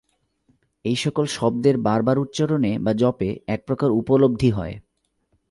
এই-সকল শব্দের বার বার উচ্চারণে বা জপে একপ্রকার উপলব্ধি হয়।